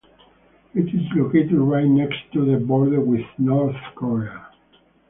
It is located right next to the border with North Korea.